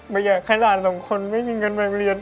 ไม่อยากให้หลานสองคนไม่มีเงินมาเรียน